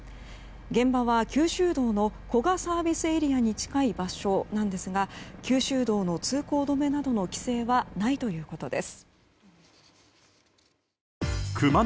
現場は九州道の古賀ＳＡに近い場所なんですが九州道の通行止めなどの規制はないということです。